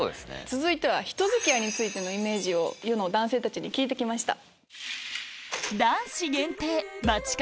続いては人付き合いのイメージを世の男性たちに聞いて来ました。